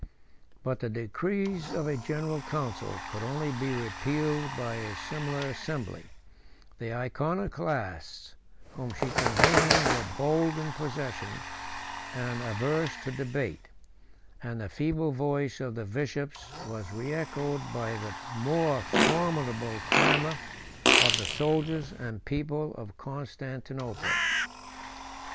But the decrees of a general council could only be repealed by a similar assembly: 78 the Iconoclasts whom she convened were bold in possession, and averse to debate; and the feeble voice of the bishops was reechoed by the more formidable clamor of the soldiers and people of Constantinople.